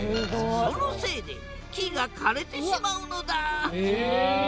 そのせいで木が枯れてしまうのだええ！